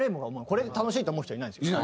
これで楽しいって思う人はいないんですよ。